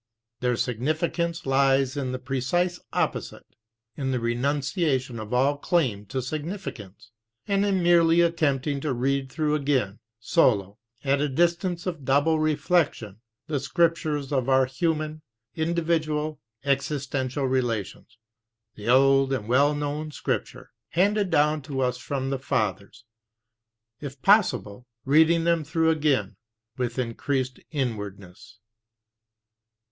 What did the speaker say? Their significance lies in the precise opposite, in the renunciation of all claim to sig nificance, and in merely attempting to read through again, solo, at a distance of double reflection, the scriptures of our human, individual, existencial relations, the old and well known scrip ture j handed down to us from the fathers; if possible reading them through again with increased inwardness."